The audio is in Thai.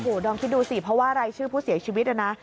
โอ้โหดอมคิดดูสิเพราะว่ารายชื่อผู้เสียชีวิตนะ